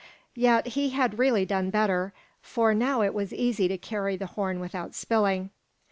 Yet he had really done better, for now it was easy to carry the horn without spilling.